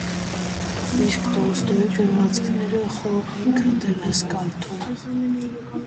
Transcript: Իսկ Տոլստոյի գրվածքները խո ինքդ էլ ես կարդում.